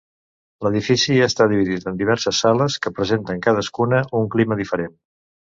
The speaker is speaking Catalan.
L'edifici està dividit en diverses sales que presenten cadascuna un clima diferent.